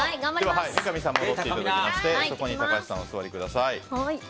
三上さんは戻っていただいて高橋さん、お座りください。